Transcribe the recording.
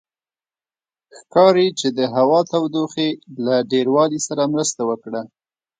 ښکاري چې د هوا تودوخې له ډېروالي سره مرسته وکړه.